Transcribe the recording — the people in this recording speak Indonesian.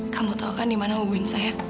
kamu tau kan dimana hubungan saya